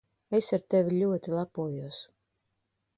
Es ar tevi ļoti lepojos.